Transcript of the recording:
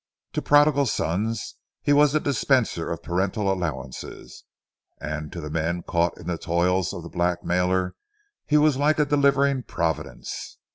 To prodigal sons he was the dispenser of paternal allowances, and to the men caught in the toils of the blackmailer he was like a delivering providence.